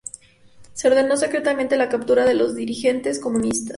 Se ordenó secretamente la captura de los dirigentes comunistas.